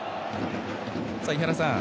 井原さん